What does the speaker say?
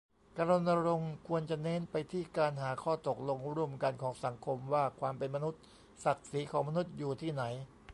การรณรงค์ควรจะเน้นไปที่การหาข้อตกลงร่วมกันของสังคมว่าความเป็นมนุษย์ ศักดิ์ศรีของมนุษย์อยู่ที่ไหน